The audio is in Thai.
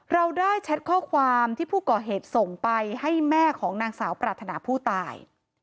เราได้แชทข้อความที่ผู้ก่อเหตุส่งไปให้แม่ของนางสาวปรารถนาผู้ตาย